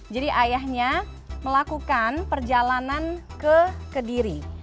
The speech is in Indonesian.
jadi ayahnya melakukan perjalanan ke kediri